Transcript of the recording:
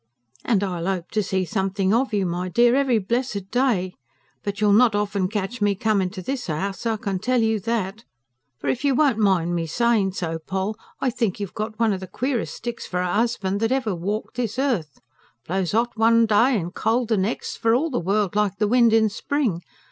And I'll hope to see something of you, my dear, every blessed day. But you'll not often catch me coming to this house, I can tell you that! For, if you won't mind me saying so, Poll, I think you've got one of the queerest sticks for a husband that ever walked this earth. Blows hot one day and cold the next, for all the world like the wind in spring.